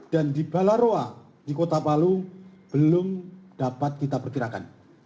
dan di balaroa di kota palu belum dapat kita perkirakan